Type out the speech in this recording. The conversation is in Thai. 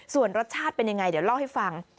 ส่วนรสชาติเป็นยังไงเดี๋ยวเล่าให้ฟัง